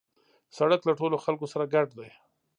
سړک له ټولو خلکو سره ګډ دی.